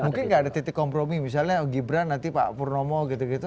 mungkin nggak ada titik kompromi misalnya gibran nanti pak purnomo gitu gitu